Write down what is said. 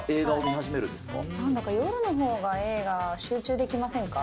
なんだか夜のほうが映画、集中できませんか。